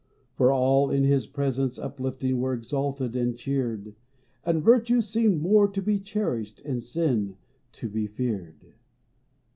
For all, in his presence uplifting. Were exalted and cheered ; And virtue seemed more to be cherished, And sin to be feared.